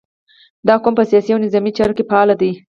• دا قوم په سیاسي او نظامي چارو کې فعال دی.